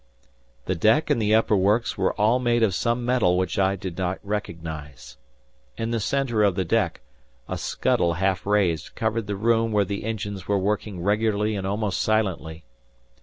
The deck and the upper works were all made of some metal which I did not recognize. In the center of the deck, a scuttle half raised covered the room where the engines were working regularly and almost silently.